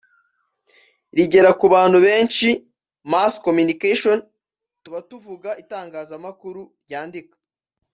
rigera ku bantu benshi (mass communication) tuba tuvuga Itangazamakuru ryandika